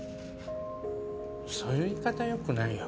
そういう言い方はよくないよ。